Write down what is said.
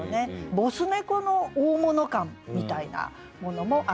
ボス猫の大物感みたいなものもあるし。